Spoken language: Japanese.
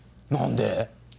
何で？